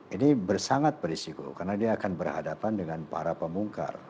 ini sangat berisiko karena dia akan berhadapan dengan para pemungkar